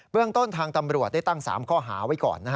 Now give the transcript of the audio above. เรื่องต้นทางตำรวจได้ตั้ง๓ข้อหาไว้ก่อน